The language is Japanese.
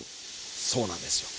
そうなんですよ。